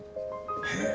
へえ。